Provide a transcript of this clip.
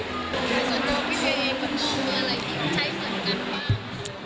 ส่วนตัวพี่เฮียอีกคุณคุณอะไรที่ใช้ส่วนกันบ้าง